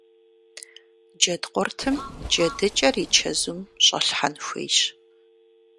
Джэдкъуртым джэдыкӀэр и чэзум щӀэлъхьэн хуейщ.